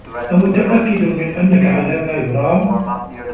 أمتأكد من أنك على ما يرام؟